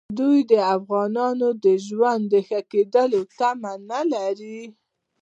دوی د افغان د ژوند د ښه کېدو تمه نه لري.